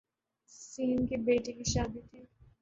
س کے بیٹے کی شادی تھی